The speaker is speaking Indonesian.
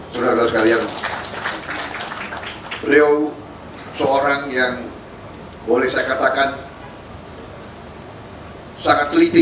saudara saudara sekalian beliau seorang yang boleh saya katakan sangat teliti